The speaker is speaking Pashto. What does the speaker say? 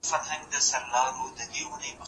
هوږه او پیاز خوړلو وروسته خوله پاکه کړئ.